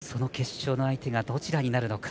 その決勝の相手がどちらになるのか。